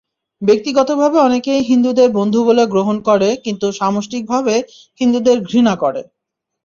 ব্যক্তিগতভাবে অনেকেই হিন্দুদের বন্ধু বলে গ্রহণ করে কিন্তু সামষ্টিকভাবে হিন্দুদের ঘৃণা করে।